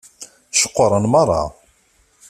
Ceqqṛen meṛṛa.